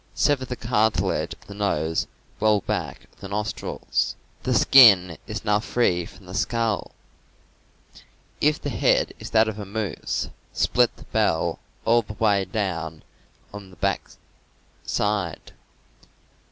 Sever the cartilage of the nose well back of the nostrils. The skin is now free from the skull. If the head is that of a moose, 277 278 CAMPING AND WOODCRAFT split the bell all the way down on the back side.